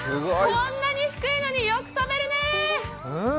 こんなに低いのに、よく飛べるね。